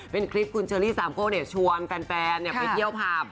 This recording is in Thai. เป็นคลิปคุณเชอรี่สามโก้ชวนแฟนไปเที่ยวผับ